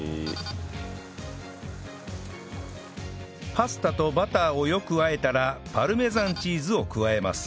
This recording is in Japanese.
パスタとバターをよくあえたらパルメザンチーズを加えます